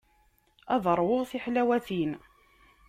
Ad ṛwuɣ tiḥlawatin.